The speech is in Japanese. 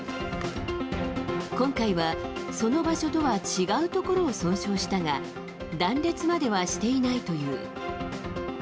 今回はその場所とは違うところを損傷したが、断裂まではしていないという。